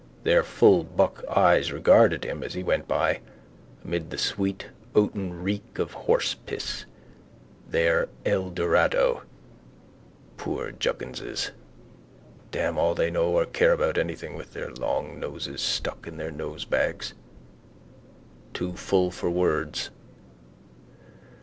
Their full buck eyes regarded him as he went by, amid the sweet oaten reek of horsepiss. Their Eldorado. Poor jugginses! Damn all they know or care about anything with their long noses stuck in nosebags. Too full for words.